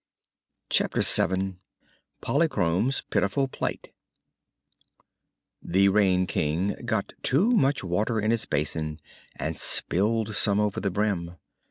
Chapter Seven Polychrome's Pitiful Plight The Rain King got too much water in his basin and spilled some over the brim.